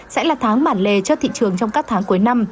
sẽ là tháng bản lề cho thị trường trong các tháng cuối năm